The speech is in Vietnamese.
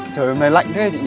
trời hôm nay lạnh thế chị nhỉ